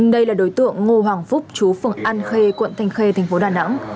đây là đối tượng ngô hoàng phúc chú phường an khê quận thanh khê thành phố đà nẵng